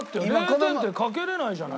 ０点ってかけられないじゃない。